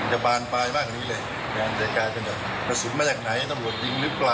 มันก็จะกลายเป็นประสุนมาจากไหนตำรวจยิงรึเปล่าหรือใครยิงก็ไม่ทราบได้